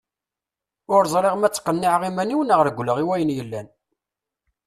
Ur ẓriɣ ma ttqenniɛeɣ iman-iw neɣ regleɣ i wayen yellan?